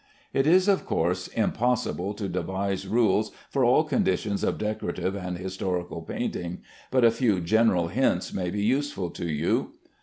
It is, of course, impossible to devise rules for all conditions of decorative and historical painting, but a few general hints may be useful to you.